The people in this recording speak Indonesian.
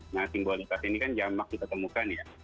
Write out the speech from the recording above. nah simbolitas ini kan jamak ditemukan ya